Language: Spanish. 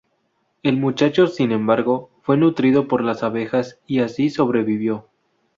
El muchacho, sin embargo, fue nutrido por las abejas y así sobrevivió.